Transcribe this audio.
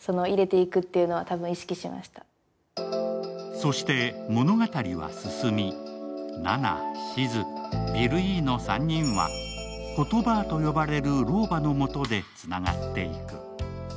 そして物語は進み、ナナ、静、ビルＥの３人は、ことばぁと呼ばれる老婆のもとでつながっていく。